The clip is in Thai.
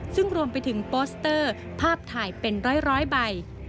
ซึ่งรวมไปถึงโปสเตอร์ภาพถ่ายเป็นร้อยใบ